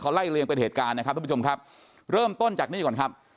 ไล่เลียงเป็นเหตุการณ์นะครับทุกผู้ชมครับเริ่มต้นจากนี่ก่อนครับ